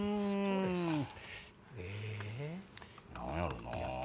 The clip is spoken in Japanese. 何やろうな？